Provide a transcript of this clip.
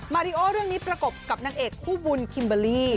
ริโอเรื่องนี้ประกบกับนางเอกคู่บุญคิมเบอร์รี่